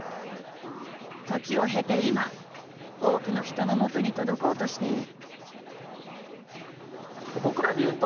時を経て今多くの人のもとに届こうとしている。